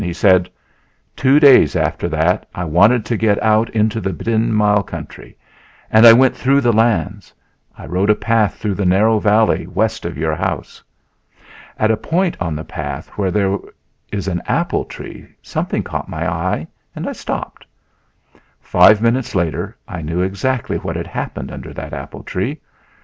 he said. "Two days after that I wanted to get out into the Ten Mile country and I went through your lands; I rode a path through the narrow valley west of your house. At a point on the path where there is an apple tree something caught my eye and I stopped. Five minutes later I knew exactly what had happened under that apple tree...